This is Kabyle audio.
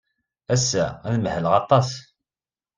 Ass-a, ad mahleɣ aṭas.